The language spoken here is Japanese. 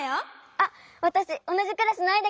あっわたしおなじクラスのアイだけど。